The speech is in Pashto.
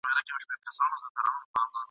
قصابان یې د لېوه له زامو ژغوري ..